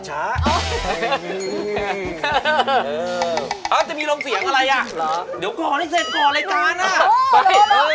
แกมินนิดนึกจีนหนึ่งแหละ